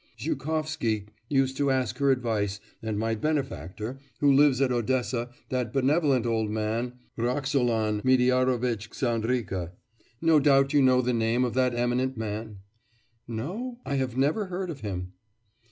Zhukovsky used to ask her advice, and my benefactor, who lives at Odessa, that benevolent old man, Roxolan Mediarovitch Ksandrika No doubt you know the name of that eminent man?' 'No; I have never heard of him.